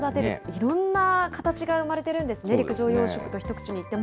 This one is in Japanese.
いろんな形が生れてるんですね、陸上養殖と一口に言っても。